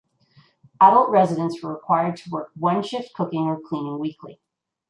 Adult residents were required to work one shift cooking or cleaning weekly.